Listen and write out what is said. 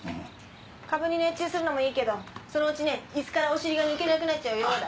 株に熱中するのもいいけどそのうちね椅子からお尻が抜けなくなっちゃうよだ！